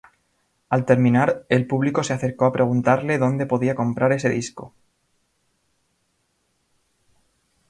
Al terminar, el público se acercó a preguntarle dónde podía comprar ese disco.